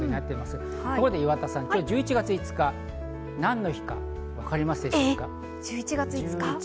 ところで岩田さん、今日１１月５日、何の日かわかりますか？